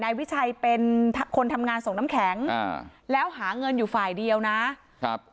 วิชัยเป็นคนทำงานส่งน้ำแข็งอ่าแล้วหาเงินอยู่ฝ่ายเดียวนะครับ